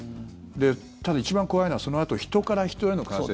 ただ、一番怖いのはそのあと人から人への感染。